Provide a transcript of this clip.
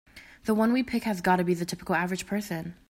The one we pick has gotta be the typical average person.